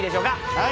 はい。